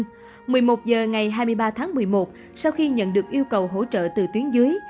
trước đó một mươi một h ngày hai mươi ba tháng một mươi một sau khi nhận được yêu cầu hỗ trợ từ tuyến dưới